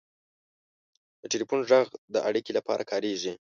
• د ټلیفون ږغ د اړیکې لپاره کارېږي.